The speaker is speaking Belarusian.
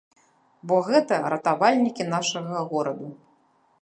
Бо гэта ратавальнікі нашага гораду.